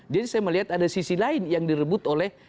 jadi saya melihat ada sisi lain yang direbut oleh